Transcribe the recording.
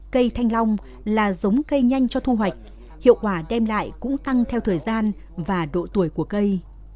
cây thanh long là giống cây nhanh cho thu hoạch hiệu quả đem lại cũng tăng theo thời gian và độ tuổi của cây